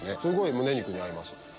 むね肉に合います。